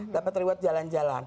dapat liwat jalan jalan